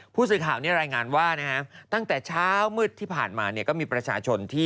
ผู้สื่อข่าวนี้รายงานว่า